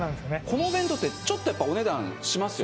このお弁当ってちょっとやっぱお値段しますよね